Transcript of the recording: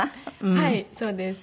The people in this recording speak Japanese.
はいそうです。